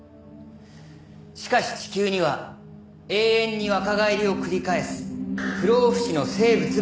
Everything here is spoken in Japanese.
しかし地球には永遠に若返りを繰り返す不老不死の生物が存在します。